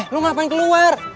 lu ngapain keluar